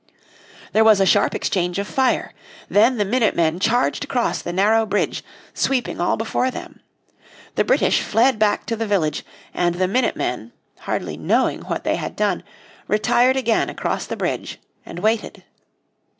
There was a sharp exchange of fire. Then the minute men charged across the narrow bridge, sweeping all before them. The British fled back to the village, and the minute men, hardly knowing what they had done, retired again across the bridge and waited.